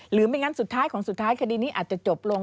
หรือไม่งั้นสุดท้ายของสุดท้ายคดีนี้อาจจะจบลง